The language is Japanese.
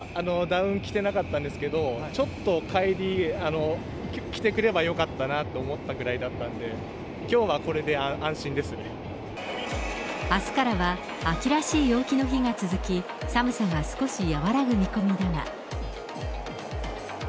お布団から出たときに、やっぱ寒かったので、きのうはダウン着てなかったんですけど、ちょっと帰り、着てくればよかったなと思ったぐらいだったんで、きょうはこれであすからは秋らしい陽気の日が続き、寒さが少し和らぐ見込みだが。